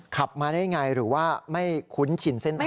ขับมาได้ไงหรือว่าไม่คุ้นชินเส้นทาง